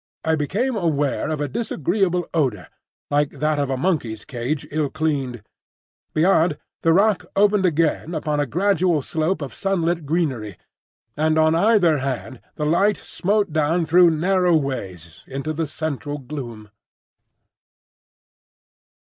I became aware of a disagreeable odor, like that of a monkey's cage ill cleaned. Beyond, the rock opened again upon a gradual slope of sunlit greenery, and on either hand the light smote down through narrow ways into the central gloom.